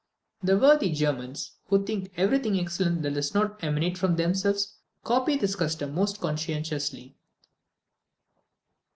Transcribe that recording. The worthy Germans, who think everything excellent that does not emanate from themselves, copy this custom most conscientiously.